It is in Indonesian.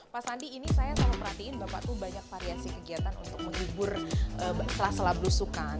pak sandi ini saya sama perhatiin bapak tuh banyak variasi kegiatan untuk menghibur sela sela belusukan